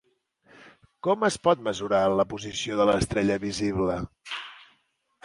Com es pot mesurar la posició de l'estrella visible?